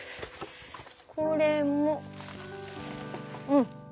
これもうん。